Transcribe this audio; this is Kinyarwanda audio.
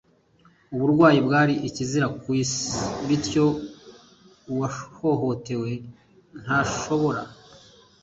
uburwayi bwari ikizira ku isi, bityo uwahohotewe ntashobora